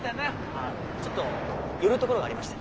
あっちょっと寄るところがありまして。